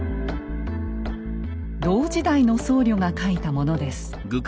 同時代の僧侶が書いたものです。